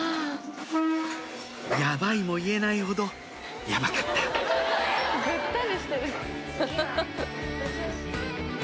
「やばい」も言えないほどやばかったぐったりしてる。